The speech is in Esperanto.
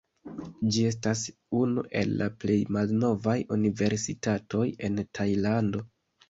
Ĝi estas unu el la plej malnovaj universitatoj en Tajlando.